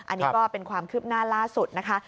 อันนี้ก็เป็นความคืบหน้าล่าสุดนะคะ